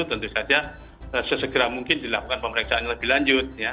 tentu saja sesegera mungkin dilakukan pemeriksaan yang lebih lanjut